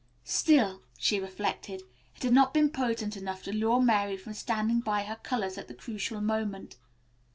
Still, she reflected, it had not been potent enough to lure Mary from standing by her colors at the crucial moment.